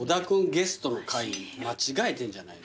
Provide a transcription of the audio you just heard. ゲストの回間違えてんじゃない？